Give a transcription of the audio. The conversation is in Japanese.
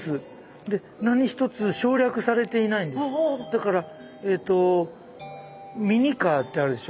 だからえっとミニカーってあるでしょ。